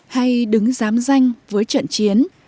hay đứng dám danh với trận chiến